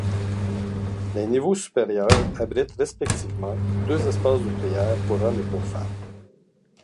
Les niveaux supérieurs abritent respectivement deux espaces de prière pour homme et pour femme.